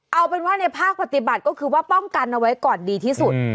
เอาเป็นว่าในภาคปฏิบัติก็คือว่าป้องกันเอาไว้ก่อนดีที่สุด